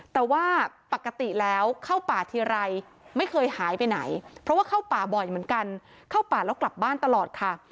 แต่ว่าปกติแล้วเข้าป่าทีไรไม่เคยหายไปไหนเพราะว่าเข้าป่าบ่อยเหมือนกันเข้าป่าแล้วกลับบ้านตลอดค่ะ